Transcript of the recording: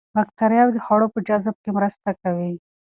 باکتریاوې د خوړو په جذب کې مرسته کوي.